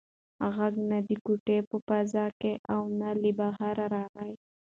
غږ نه د کوټې په فضا کې و او نه له بهره راغی.